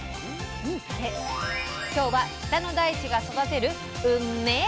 今日は北の大地が育てるうんめぇ